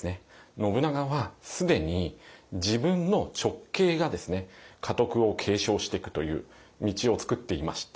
信長は既に自分の直系が家督を継承してくという道を作っていまして。